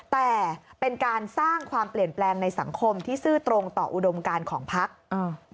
แต่เป็นการสร้างความเปลี่ยนแปลงในสังคมที่ซื่อตรงต่ออุดมการของพัก